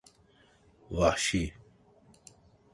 Vahşi.